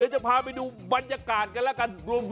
จะพาไปดูบรรยากาศกันแล้วกัน